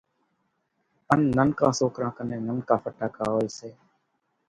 ان ننڪان سوڪران ڪنين ننڪا ڦٽاڪا ھوئي سي